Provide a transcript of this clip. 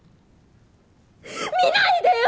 見ないでよ！